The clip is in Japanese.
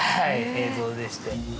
映像でして。